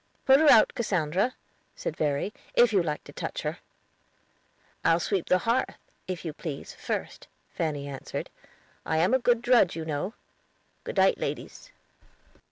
"Put her out, Cassandra," said Verry, "if you like to touch her." "I'll sweep the hearth, if you please, first," Fanny answered. "I am a good drudge, you know. Good night, ladies."